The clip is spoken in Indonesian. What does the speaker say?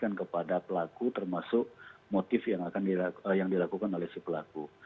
kita ingin menaikkan kepada pelaku termasuk motif yang dilakukan oleh si pelaku